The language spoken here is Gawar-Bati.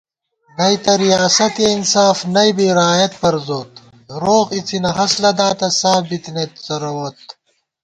نئ تہ ریاسَتہ انصاف نئ بی رایَت پروزوت * روغ اِڅِنہ ہست لداتہ ساف بِتَنَئیت څرَووت